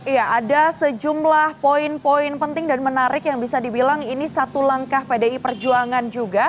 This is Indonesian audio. ya ada sejumlah poin poin penting dan menarik yang bisa dibilang ini satu langkah pdi perjuangan juga